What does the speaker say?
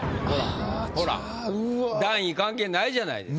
ほら段位関係ないじゃないですか。